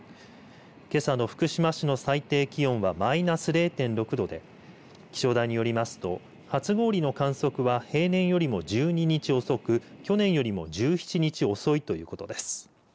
けさの福島市の最低気温はマイナス０．６度で気象台によりますと初氷の観測は平年よりも１２日遅く去年よりも１７日遅いということです。